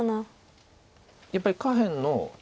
やっぱり下辺の白